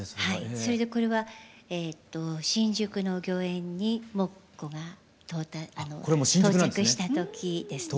それでこれは新宿の御苑に「モッコ」が到着した時ですね。